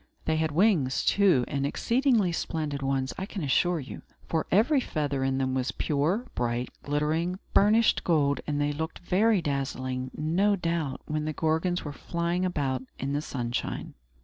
They had wings, too, and exceedingly splendid ones, I can assure you; for every feather in them was pure, bright, glittering, burnished gold, and they looked very dazzlingly, no doubt, when the Gorgons were flying about in the sunshine.